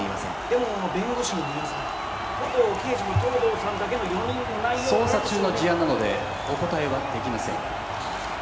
でも弁護士の三輪さん元刑事の東堂さんだけの４人の内容からの捜査中の事案なのでお答えはできませんクソ